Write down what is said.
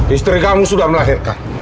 istri kamu sudah melahirkan